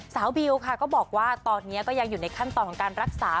บิวค่ะก็บอกว่าตอนนี้ก็ยังอยู่ในขั้นตอนของการรักษา